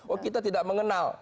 oh kita tidak mengenal